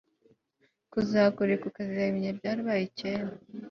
kuzakureka ukazabimenya byarabaye kera